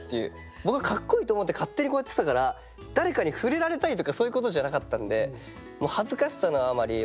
僕はかっこいいと思って勝手にこうやってたから誰かに触れられたいとかそういうことじゃなかったんで。